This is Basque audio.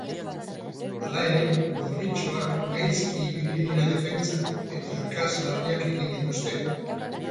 Hala ere, gorritxoak gaizki ibili dira defentsan eta akats larriak egin dituzte.